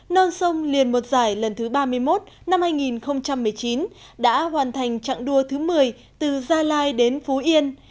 non sông liền một giải lần thứ ba mươi một năm hai nghìn một mươi chín đã hoàn thành trạng đua thứ một mươi từ gia lai đến phú yên